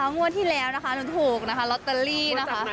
งวดที่แล้วนะคะถูกรอตเตอรี่